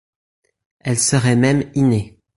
Elle serait même innée.